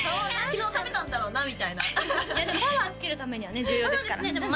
昨日食べたんだろうなみたいなでもパワーつけるためにはね重要ですからそうですね